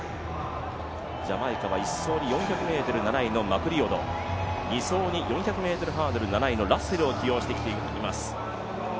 ジャマイカは４００ｍのマクリオド、２走に４００ｍハードル７位のラッセルを起用してきています。